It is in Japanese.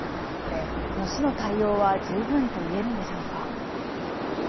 市の対応は十分と言えるんでしょうか。